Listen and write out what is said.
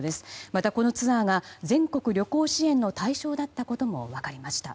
またこのツアーが全国旅行支援の対象だったことも分かりました。